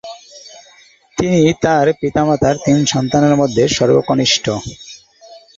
তিনি তার পিতামাতার তিন সন্তানের মধ্য সর্বকনিষ্ঠ।